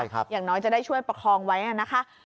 อย่างน้อยจะได้ช่วยประคองไว้นะคะ